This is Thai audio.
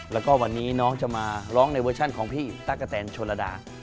แล้วก็วันนี้น้องจะมาร้องในเวอร์ชันของพี่ตั๊กกะแตนชนระดา